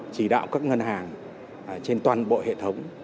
chỉ đạo các ngân hàng trên toàn bộ hệ thống